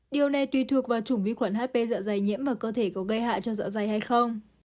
điều này tùy thuộc vào chủng vi khuẩn hp dạ dày nhiễm và cơ thể có gây hại cho dạ dày hay không